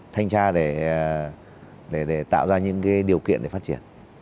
thanh tra để tạo ra những điều kiện để phát triển